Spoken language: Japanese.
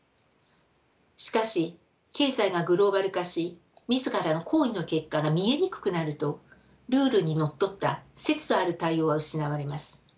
しかし経済がグローバル化し自らの行為の結果が見えにくくなるとルールにのっとった節度ある対応は失われます。